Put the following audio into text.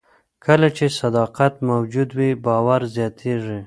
کله چې صداقت موجود وي، باور زیاتېږي.